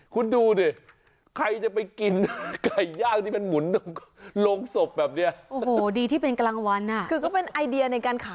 คุณดูนี่ใครจะไปกินไก่ยากนี้เป็นหมุนโรงศพแบบเนี้ย